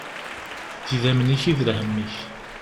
D idammen-ik i d lhemm-ik.